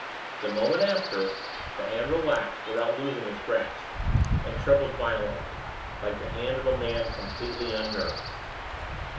The moment after, the hand relaxed without losing its grasp, and trembled violently, like the hand of a man completely unnerved.